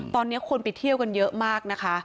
ตอนนี้คนไปเที่ยวกันเยอะมากนะคะ